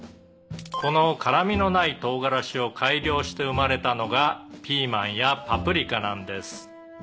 「この辛味のない唐辛子を改良して生まれたのがピーマンやパプリカなんです」